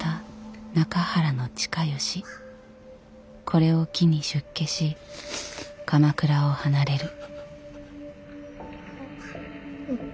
これを機に出家し鎌倉を離れる。